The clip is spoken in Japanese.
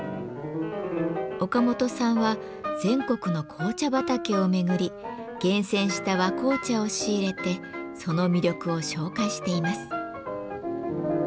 岡本さんは全国の紅茶畑を巡り厳選した和紅茶を仕入れてその魅力を紹介しています。